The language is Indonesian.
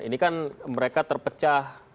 ini kan mereka terpecah